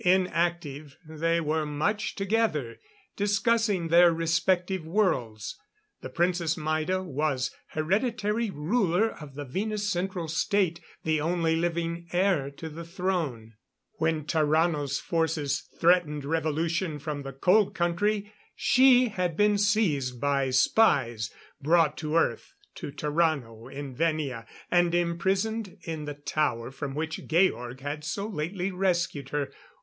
Inactive, they were much together, discussing their respective worlds. The Princess Maida was hereditary ruler of the Venus Central State the only living heir to the throne. When Tarrano's forces threatened revolution from the Cold Country she had been seized by spies, brought to Earth, to Tarrano in Venia, and imprisoned in the tower from which Georg had so lately rescued her.